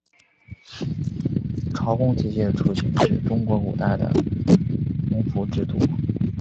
朝贡体系的雏形是古代中国的畿服制度。